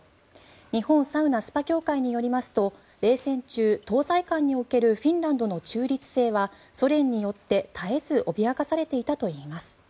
日本サウナ・スパ協会によりますと冷戦中、東西間におけるフィンランドの中立性はソ連によって、絶えず脅かされていたといいます。